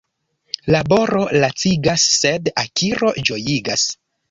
Laboro lacigas, sed akiro ĝojigas.